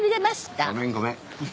ごめんごめん。